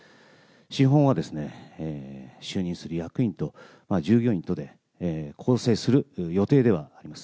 資本は、就任する役員と従業員とで構成する予定ではあります。